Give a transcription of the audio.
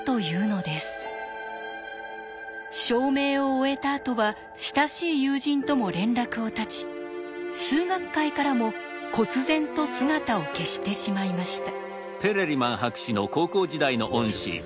証明を終えたあとは親しい友人とも連絡を断ち数学界からもこつ然と姿を消してしまいました。